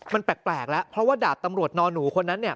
มันแปลกแล้วเพราะว่าดาบตำรวจนอนหนูคนนั้นเนี่ย